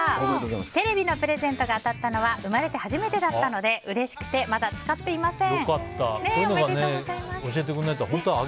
テレビのプレゼントが当たったのは生まれて初めてだったのでうれしくて、まだ使っていません。